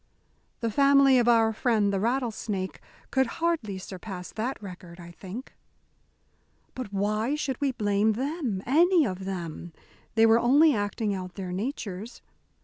The family of our friend the rattlesnake could hardly surpass that record, I think. "But why should we blame them any of them? They were only acting out their natures.